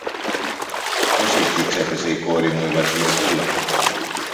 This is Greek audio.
Ως εκεί ξέπεσε η κόρη μου η Βασιλοπούλα;